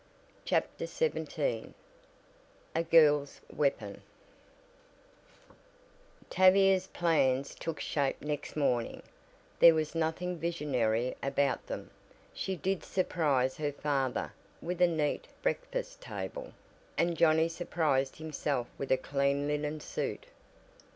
CHAPTER XVII A GIRL'S WEAPON Tavia's plans took shape next morning there was nothing visionary about them. She did surprise her father with a neat breakfast table, and Johnnie surprised himself with a clean linen suit.